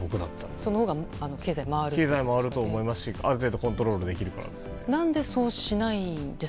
そのほうが経済が回ると思いますしある程度コントロールできるからです。